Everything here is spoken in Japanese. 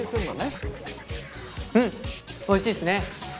うんおいしいっすね。